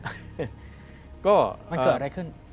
ก็มันเกิดอะไรขึ้น